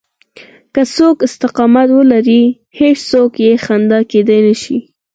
که څوک استقامت ولري هېڅوک يې خنډ کېدای نشي.